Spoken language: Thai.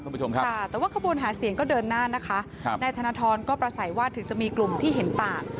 แต่ว่าขบวนหาเสียงเดินนานธนทรก็ประสาคว่าถึงจะมีกลุ่มที่เห็นต่าง